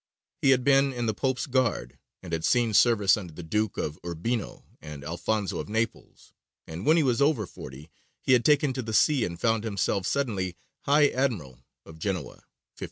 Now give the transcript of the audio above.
He had been in the Pope's guard, and had seen service under the Duke of Urbino and Alfonso of Naples, and when he was over forty he had taken to the sea and found himself suddenly High Admiral of Genoa (1513).